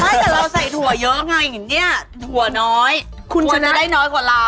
แต่เราใส่ถั่วย้อเงี้ยเนี่ยถั่วน้อยควรจะได้น้อยกว่าเรา